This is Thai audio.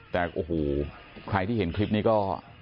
แต่โอ้โหใครที่เห็นคลิปนี้ก็